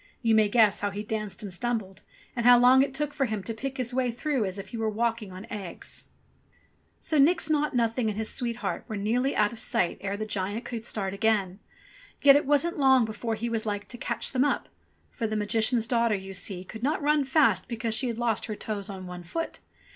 You may guess how he danced and stumbled and how long it took for him to pick his way through as if he were walking on eggs ! So Nix Naught Nothing and his sweetheart were nearly i88 ENGLISH FAIRY TALES out of sight ere the giant could start again ; yet it wasn't long before he was like to catch them up ; for the Magician's daughter, you see, could not run fast because she had lost her toes on one foot